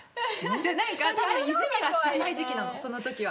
なんか多分泉は知らない時期なのその時は。